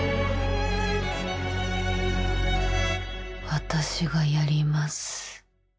私がやります